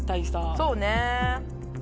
そうね。